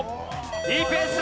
いいペースだ！